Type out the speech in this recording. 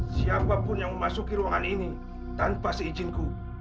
siapapun yang memasuki ruangan ini tanpa seizinku